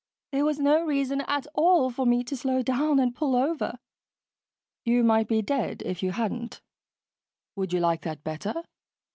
There was no reason at all for me to slow down and pull over." "You might be dead if you hadn't. Would you like that better?"